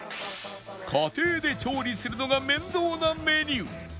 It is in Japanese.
家庭で調理するのが面倒なメニュー